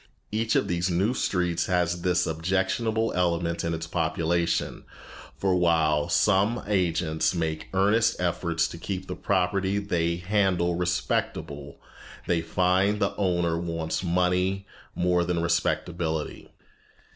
Each of these new streets has this objectionable element in its population, for while some agents make earnest efforts to keep the property they handle respectable, they find the owner wants money more than respectability.